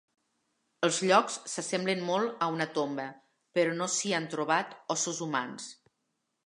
Els llocs s'assemblen molt a una tomba, però no s'hi han trobat ossos humans.